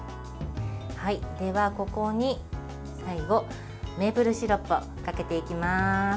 では、ここに最後メープルシロップをかけていきます。